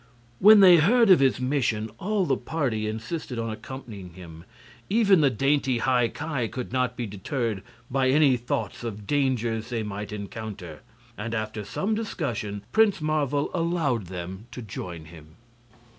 When they heard of his mission all the party insisted on accompanying him. Even the dainty High Ki could not be deterred by any thoughts of dangers they might encounter; and after some discussion Prince Marvel allowed them to join him.